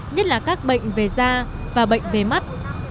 nhất là các bệnh về da và bệnh về mắt